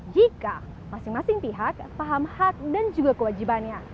jika masing masing pihak paham hak dan juga kewajibannya